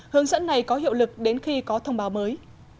hướng dẫn này có hiệu lực đến khi có thông báo mới